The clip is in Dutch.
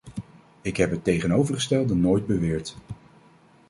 Ik heb het tegengestelde nooit beweerd.